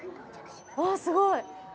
わあ、すごい。